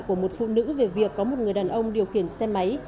của một phụ nữ về việc có một người đàn ông điều khiển xe máy